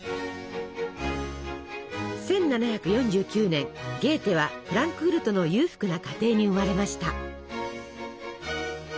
１７４９年ゲーテはフランクフルトの裕福な家庭に生まれました。